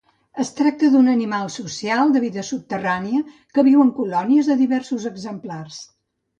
Es tracta d'un animal social de vida subterrània que viu en colònies de diversos exemplars.